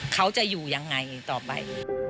เขาจะอยู่ยังไงต่อไป